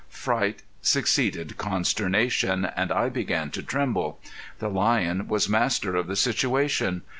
Fright succeeded consternation, and I began to tremble. The lion was master of the situation.